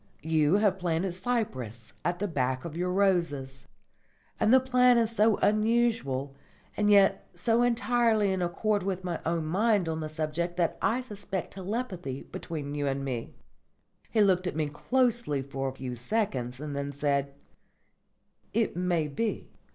You have planted cypress at the back of your roses; and the plan is so unusual and yet so entirely in accord with my own mind on the subject that I suspect telepathy between you and me." He looked at me closely for a few seconds, and then said: "It may be.